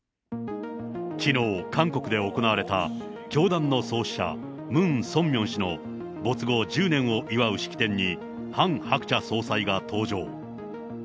きのう、韓国で行われた教団の創始者、ムン・ソンミョン氏の没後１０年を祝う式典に、ハン・ハクチャ総裁が登場。